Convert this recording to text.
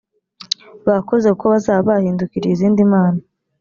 bakoze kuko bazaba bahindukiriye izindi mana